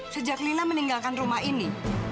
sejak nina meninggalkan rumah ini